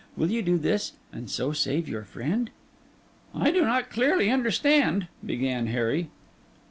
Will you do this, and so save your friend?' 'I do not clearly understand ...' began Harry.